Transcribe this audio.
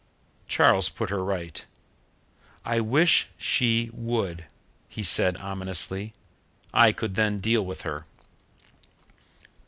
Charles put her right. "I wish she would," he said ominously. "I could then deal with her."